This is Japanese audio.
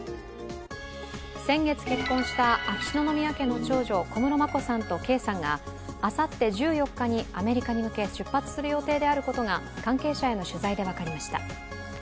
先月結婚した秋篠宮家の長女・小室眞子さんと圭さんがあさって１４日にアメリカに向け出発する予定であることが関係者への取材で分かりました。